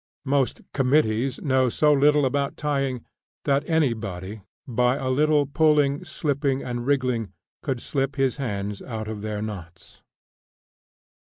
Most "committees" know so little about tying, that anybody, by a little pulling, slipping, and wriggling, could slip his hands out of their knots.